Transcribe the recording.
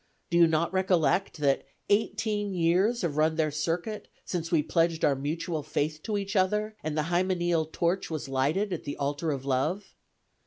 Do you not recollect that eighteen years have run their circuit since we pledged our mutual faith to each other, and the hymeneal torch was lighted at the altar of Love?